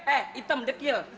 eh hitam dekil